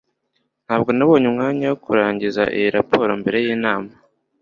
ntabwo nabonye umwanya wo kurangiza iyi raporo mbere yinama